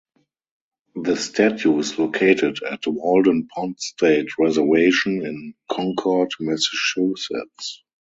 The statue is located at Walden Pond State Reservation in Concord, Massachusetts.